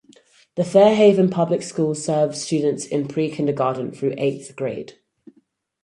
The Fair Haven Public Schools serves students in pre-kindergarten through eighth grade.